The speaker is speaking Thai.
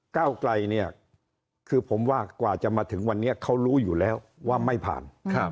ก้าวไกลเนี่ยคือผมว่ากว่าจะมาถึงวันนี้เขารู้อยู่แล้วว่าไม่ผ่าน